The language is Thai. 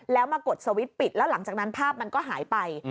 แล้วมากดสวิตชปิดแล้วหลังจากนั้นภาพมันก็หายไป